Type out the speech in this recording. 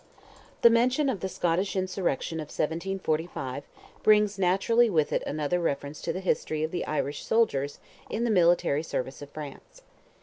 The mention of the Scottish insurrection of 1745 brings naturally with it another reference to the history of the Irish soldiers in the military service of France.